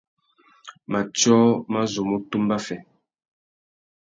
Matiō mà zu mú tumba fê.